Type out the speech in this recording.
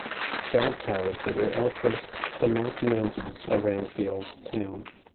Guard towers that were outposts surmount the mountains around the old town.